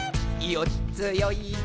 「よっつよいこも